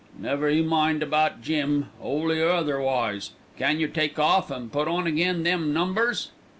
"Never you mind about Jim, 'oly or otherwise. Can yer take off and put on again them numbers?"